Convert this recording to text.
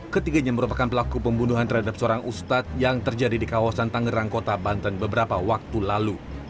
ketiganya merupakan pelaku pembunuhan terhadap seorang ustadz yang terjadi di kawasan tangerang kota banten beberapa waktu lalu